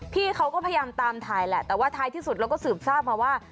พี่เขาก็พยายามตามถ่ายแหละแต่ว่าท้ายที่สุดเราก็สืบทราบมาว่า